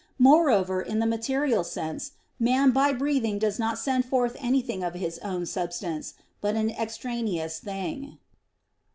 _ Moreover, in the material sense, man by breathing does not send forth anything of his own substance, but an extraneous thing.